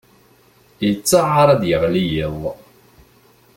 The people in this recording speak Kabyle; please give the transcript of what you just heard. Yettaɛar ad d-yeɣli yiḍ.